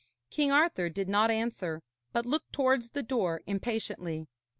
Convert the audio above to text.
King Arthur did not answer, but looked towards the door impatiently.